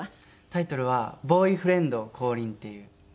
タイトルは『ボーイフレンド降臨！』っていう。